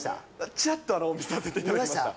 ちらっと見させていただきま見ました？